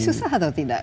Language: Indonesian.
susah atau tidak